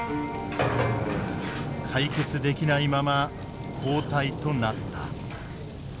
解決できないまま交代となった。